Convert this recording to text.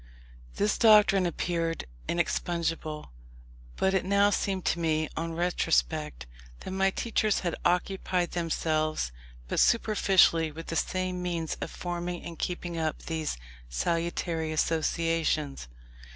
This doctrine appeared inexpugnable; but it now seemed to me, on retrospect, that my teachers had occupied themselves but superficially with the means of forming and keeping up these salutary associations.